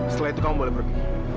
setelah itu kamu boleh pergi